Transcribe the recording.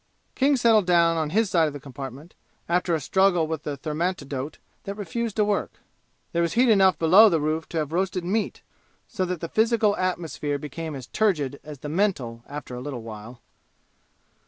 King settled down on his side of the compartment, after a struggle with the thermantidote that refused to work. There was heat enough below the roof to have roasted meat, so that the physical atmosphere became as turgid as the mental after a little while.